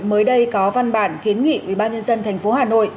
mới đây có văn bản kiến nghị ubnd tp hà nội